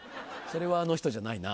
それはあの人じゃないな。